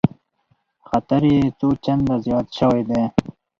خطر یې څو چنده زیات شوی دی